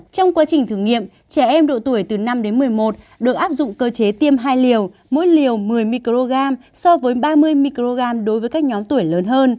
trong quá trình thử nghiệm trẻ em độ tuổi từ năm đến một mươi một được áp dụng cơ chế tiêm hai liều mỗi liều một mươi microgram so với ba mươi microgram đối với các nhóm tuổi lớn hơn